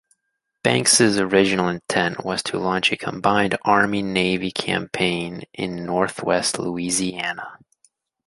Banks's original intent was to launch a combined Army-Navy campaign in northwest Louisiana.